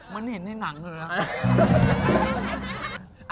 มันเห็นในหนังเลยแล้ว